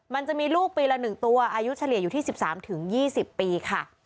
มันจะมีลูกปีละ๑ตัวอายุเฉลี่ยอยู่ที่๑๓๒๐ปีค่ะ